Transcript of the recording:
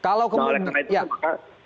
kalau kemudian ya